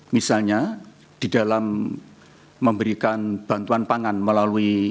misalnya di dalam memberikan bantuan pangan melalui